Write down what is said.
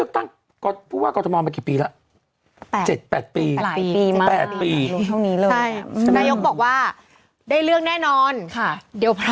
เอ้าบอกแล้ว